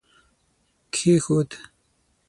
کښېښود